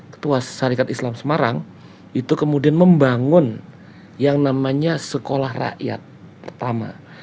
ketua syarikat islam semarang itu kemudian membangun yang namanya sekolah rakyat pertama